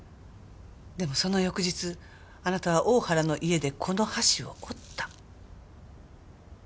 でもその翌日あなたは大原の家でこの箸を折った。